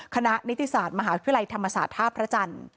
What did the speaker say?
นิติศาสตร์มหาวิทยาลัยธรรมศาสตร์ท่าพระจันทร์